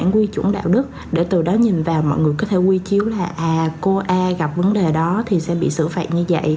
quy chiếu là cô a gặp vấn đề đó thì sẽ bị xử phạt như vậy